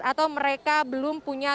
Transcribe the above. atau mereka belum punya